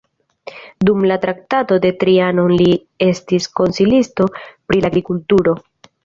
Dum la Traktato de Trianon li estis konsilisto pri la agrikulturo.